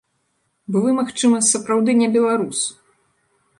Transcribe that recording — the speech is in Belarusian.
Бо вы, магчыма, сапраўды не беларус!